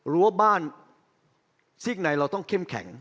รั้วบ้านซีกในเราต้องเข้มแข็ง